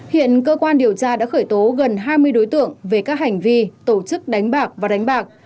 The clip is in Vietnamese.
hiện cơ quan điều tra đã khởi tố gần hai mươi đối tượng về các hành vi tổ chức đánh bạc và đánh bạc